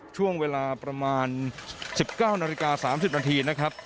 ช่วงเวลาประมาณ๑๙นาฬิกา๓๐นาที